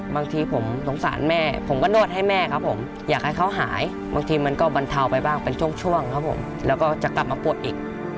บางทีผมสงสารแม่ผมก็นวดให้แม่ครับผมอยากให้เขาหายบางทีมันก็บรรเทาไปบ้างเป็นช่วงครับผมแล้วก็จะกลับมาปวดอีก